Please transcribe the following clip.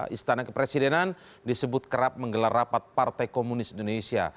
istana kepresidenan disebut kerap menggelar rapat partai komunis indonesia